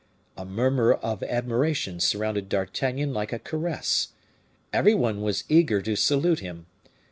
A murmur of admiration surrounded D'Artagnan like a caress. Every one was eager to salute him.